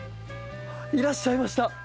いらっしゃいました。